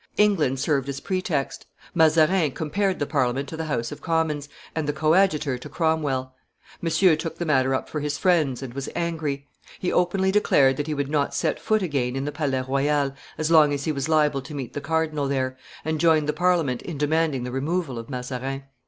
England served as pretext. Mazarin compared the Parliament to the House of Commons, and the coadjutor to Cromwell. Monsieur took the matter up for his friends, and was angry. He openly declared that he would not set foot again in the Palais Royal as long as he was liable to meet the cardinal there, and joined the Parliament in demanding the removal of Mazarin.